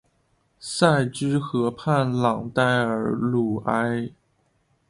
塞居河畔朗代尔鲁埃。